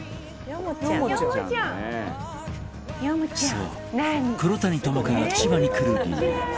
そう、黒谷友香が千葉に来る理由